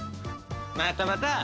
またまた！